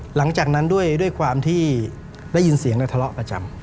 หลังจากนั้นด้วยความที่ได้ยินเสียงและทะเลาะประจำ